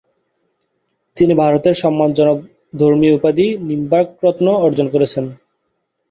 তিনি ভারতের সম্মানজনক ধর্মীয় উপাধি ‘নিম্বার্ক রত্ন’ অর্জন করেছেন।